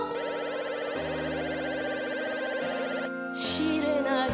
「しれない」